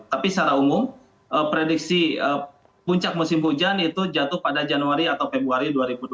tapi secara umum prediksi puncak musim hujan itu jatuh pada januari atau februari dua ribu dua puluh